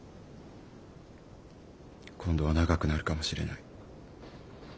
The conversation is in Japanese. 今度は長くなるかもしれない。